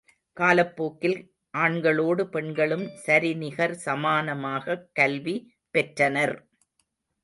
காலப்போக்கில் ஆண்களோடு பெண்களும் சரிநிகர் சமானமாகக் கல்வி பெற்றனர்.